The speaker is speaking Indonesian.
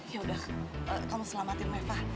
yaudah kamu selamatin reva